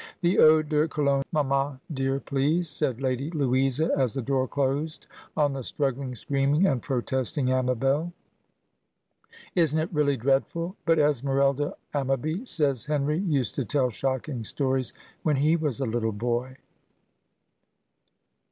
"The eau de Cologne, mamma dear, please," said Lady Louisa, as the door closed on the struggling, screaming, and protesting Amabel. "Isn't it really dreadful? But Esmerelda Ammaby says Henry used to tell shocking stories when he was a little boy."